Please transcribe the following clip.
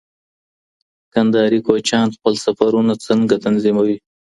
کندهاري کوچیان خپل سفرونه څنګه تنظیموي؟